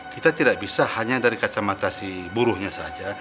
kita tidak bisa hanya dari kacamata si buruhnya saja